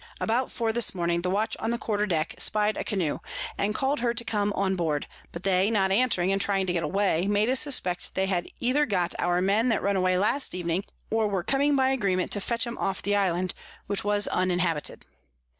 About four this Morning the Watch on the Quarter Deck spy'd a Canoe, and call'd her to come on board; but they not answering, and trying to get away, made us suspect they had either got our Men that run away last Evening, or were coming by Agreement to fetch 'em off the Island, which was uninhabited.